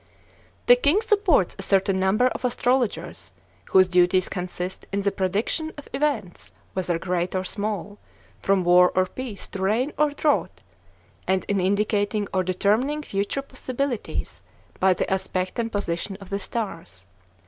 The king supports a certain number of astrologers, whose duties consist in the prediction of events, whether great or small, from war or peace to rain or drought, and in indicating or determining future possibilities by the aspect and position of the stars.